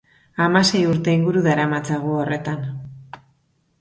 Hamasei urte inguru daramatzagu horretan.